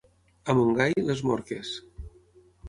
A Montgai, les morques.